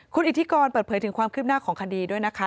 คุณอิทธิกรเปิดเผยถึงความคืบหน้าของคดีด้วยนะคะ